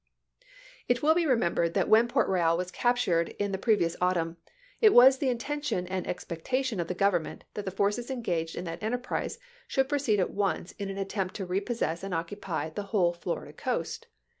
It will be remembered that when Port Royal was captured in the previous autumn, it was the inten tion and expectation of the Government that the forces engaged in that enterprise should proceed at once in an attempt to repossess and occupy the whole Florida coast.